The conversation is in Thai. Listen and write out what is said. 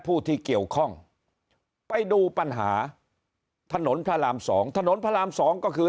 ผู้ที่เกี่ยวข้องไปดูปัญหาถนนพระราม๒ถนนพระราม๒ก็คือ